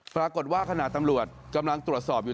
ปรากฏว่าขณะตำรวจกำลังตรวจสอบอยู่